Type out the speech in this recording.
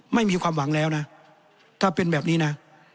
ไม่มีความหวังแล้วนะถ้าเป็นแบบนี้นะ